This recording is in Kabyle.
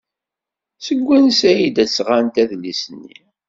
Seg wansi ay d-sɣant adlis-nni?